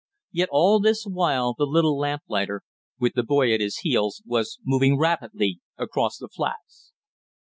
Yet all this while the little lamplighter, with the boy at his heels, was moving rapidly across the flats.